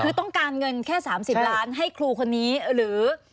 คือต้องการเงินแค่๓๐ล้านให้ครูคนนี้หรือ